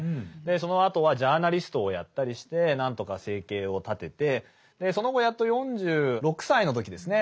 そのあとはジャーナリストをやったりして何とか生計を立ててその後やっと４６歳の時ですね